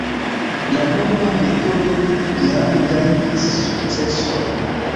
La nova metodo jam gajnis sukcesojn.